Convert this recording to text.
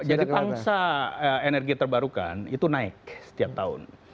jadi bangsa energi terbarukan itu naik setiap tahun